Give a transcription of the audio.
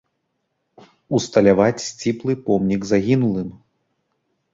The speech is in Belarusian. Усталяваць сціплы помнік загінулым.